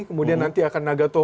kemudian nanti akan bergantian